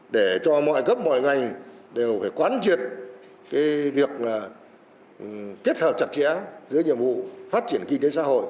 để cho mọi cấp mọi ngành đều phải quán triệt cái việc kết hợp chặt chẽ giữa nhiệm vụ phát triển kinh tế xã hội